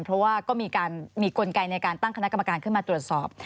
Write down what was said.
เพราะว่าก็มีกลไกในการตั้งคณะกรรมการขึ้นมาตรวจสอบ